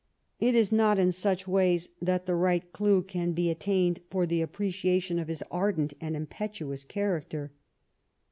It is not in such ways that the right clue can be attained for the appreciation of his ardent and impetuous character.